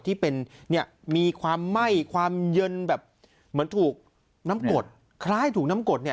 ที่เป็นเนี่ยมีความไหม้ความเย็นแบบเหมือนถูกน้ำกดคล้ายถูกน้ำกดเนี่ย